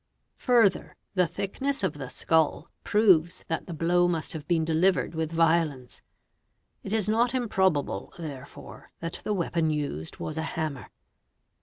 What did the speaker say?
Further the thickness of the skull proves that the blow must have been delivered with violence. It is not improbable therefore that the weapon used was a hammer.